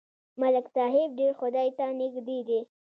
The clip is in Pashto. ملک صاحب ډېر خدای ته نږدې دی.